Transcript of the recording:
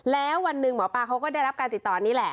แล้ววันหนึ่งหมอปลาเขาก็ได้รับการติดต่อนี่แหละ